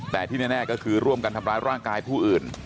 แต่ที่แน่ก็คือร่วมกันทำร้ายร่างกายผู้อื่น